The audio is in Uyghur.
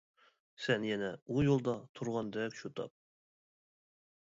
سەن يەنە ئۇ يولدا تۇرغاندەك شۇ تاپ.